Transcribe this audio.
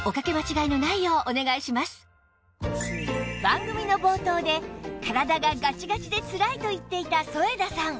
番組の冒頭で体がガチガチでつらいと言っていた添田さん